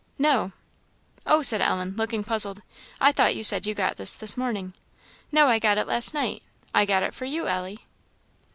"No." "O!" said Ellen, looking puzzled, "I thought you said you got this this morning." "No, I got it last night. I got it for you, Ellie."